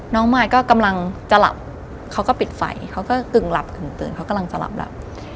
มายก็กำลังจะหลับเขาก็ปิดไฟเขาก็กึ่งหลับกึ่งตื่นเขากำลังจะหลับ